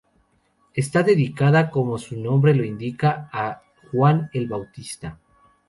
Está dedicada como su nombre lo indica a Juan el Bautista.